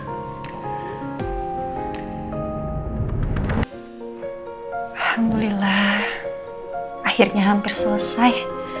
alhamdulillah akhirnya hampir selesai